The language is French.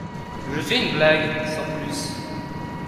Je fais une blague, sans plus.